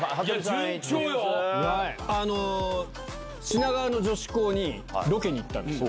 品川の女子校にロケに行ったんです。